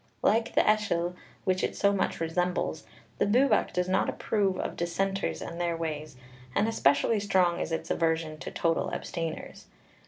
Like the Ellyll which it so much resembles, the Bwbach does not approve of dissenters and their ways, and especially strong is its aversion to total abstainers.